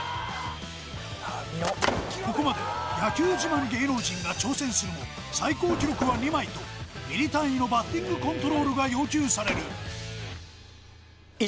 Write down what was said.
ここまで野球自慢芸能人が挑戦するも最高記録は２枚とミリ単位のバッティングコントロールが要求される